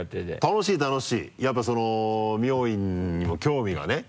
楽しい楽しいやっぱその妙圓にも興味がね。